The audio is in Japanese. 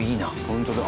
ホントだ。